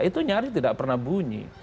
itu nyaris tidak pernah bunyi